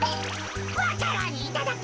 わか蘭いただき。